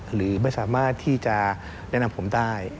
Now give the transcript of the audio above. หรือไม่สามารถที่จะแนะนำผมได้